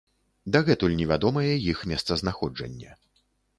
Дагэтуль невядомае іх месцазнаходжанне.